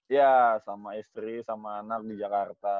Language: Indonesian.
ya sama istri sama anak di jakarta